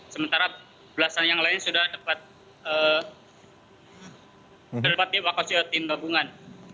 sementara belasan yang lain sudah terlepas di lokasi tim gabungan